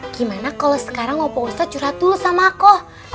gimana kalau sekarang pak ustadz curhat dulu sama aku